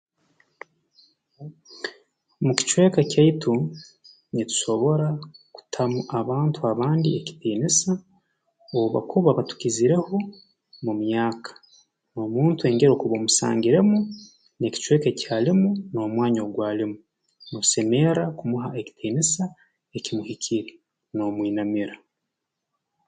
Mu kicweka ekyaitu nitusobora kutamu abantu abandi ekitiinisa obu bakuba batukizireho mu myaka omuntu engeri okuba omusangiremu n'ekicweka eki alimu n'omwanya ogu alimu noosemerra kumuha ekitiinisa ekimuhikire noomwinamira